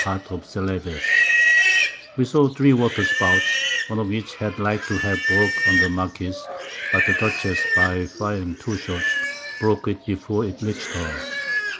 Part of Celebes. We saw 3 Water Spouts; one of which had like to have broke on the Marquiss, but the Dutchess by firing two Shot, broke it before it reach'd her.